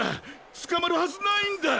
つかまるはずないんだ！